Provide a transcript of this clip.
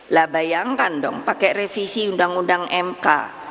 lah bayangkan dong pakai revisi undang undang mk